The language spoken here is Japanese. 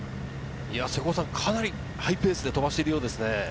かなりハイペースで飛ばしているようですね。